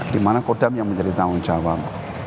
di mana kodam yang menjadi tanggung jawab